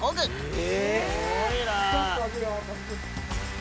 え！